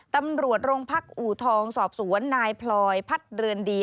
ตำรวจโรงพักอูทองสอบสวนนายพลอยพัดเรือนดี